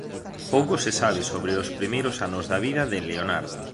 Pouco se sabe sobre os primeiros anos da vida de Leonardo.